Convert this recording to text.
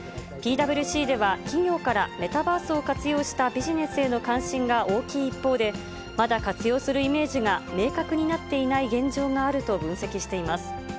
ＰｗＣでは、企業からメタバースを活用したビジネスへの関心が大きい一方で、まだ活用するイメージが明確になっていない現状があると分析しています。